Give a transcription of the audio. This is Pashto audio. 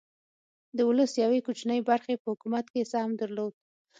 د ولس یوې کوچنۍ برخې په حکومت کې سهم درلود.